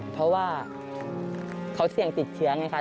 เพราะว่าเขาเสี่ยงติดเชื้อไงคะ